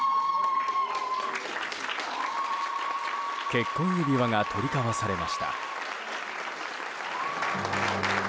結婚指輪が取り交わされました。